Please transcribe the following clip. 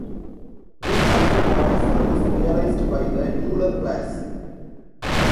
This isomorphism is realized by the Euler class.